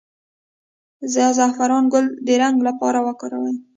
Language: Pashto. د زعفران ګل د رنګ لپاره وکاروئ